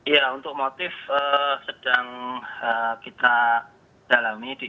ya untuk motif sedang kita dalami di internal